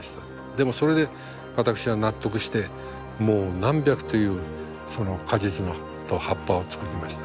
でもそれで私は納得してもう何百という果実と葉っぱを作りました。